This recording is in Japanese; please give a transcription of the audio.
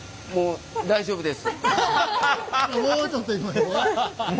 もうちょっといきましょう。